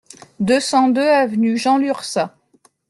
deux cent deux avenue Jean Lurçat